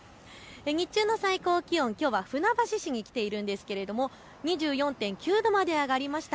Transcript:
日中の最高気温、きょうは船橋市に来ているんですが２４．９度まで上がりました。